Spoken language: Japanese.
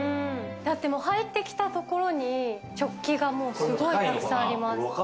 入ってきたところに食器がもう、すごいたくさんあります。